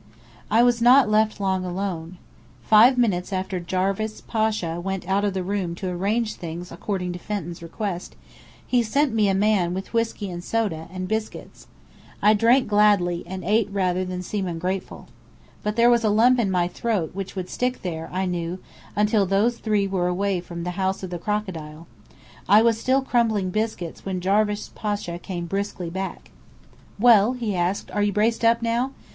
I was not left long alone. Five minutes after Jarvis Pasha went out of the room to "arrange things" according to Fenton's request, he sent me a man with whiskey and soda, and biscuits. I drank gladly, and ate rather than seem ungrateful. But there was a lump in my throat which would stick there, I knew, until those three were away from the House of the Crocodile. I was still crumbling biscuits when Jarvis Pasha came briskly back. "Well," he asked, "are you braced up now?